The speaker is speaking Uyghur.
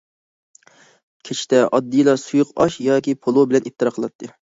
كەچتە، ئاددىيلا سۇيۇقئاش ياكى پولۇ بىلەن ئىپتار قىلاتتى.